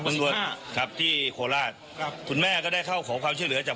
ตำรวจครับที่โคราชครับคุณแม่ก็ได้เข้าขอความช่วยเหลือจาก